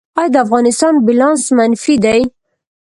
آیا د افغانستان بیلانس منفي دی؟